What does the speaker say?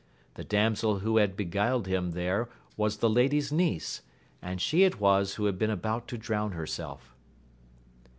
The damsel who had beguiled him there was the lady's niece, and she it was who had been about to drown herself.